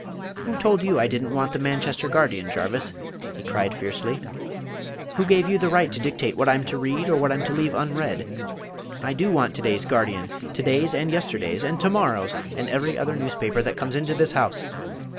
"Who told you I did n't want the Manchester Guardian, Jarvis?" he cried, fiercely; "who gave you the right to dictate what I'm to read or what I'm to leave unread? I do want to day's Guardian; to day's, and yesterday's, and to morrow's, and every other newspaper that comes into this house!